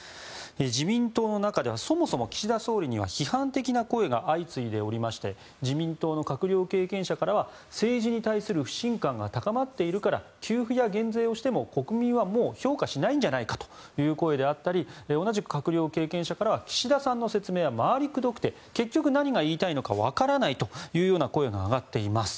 自民党の中ではそもそも岸田総理には批判的な声が相次いでおりまして自民党の閣僚経験者からは政治に対する不信感が高まっているから給付や減税をしても国民はもう評価しないんじゃないかという声であったり同じく閣僚経験者から岸田さんの説明は回りくどくて結局何が言いたいのかわからないというような声が上がっています。